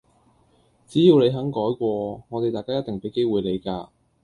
只要你肯改過，我哋大家一定畀機會你㗎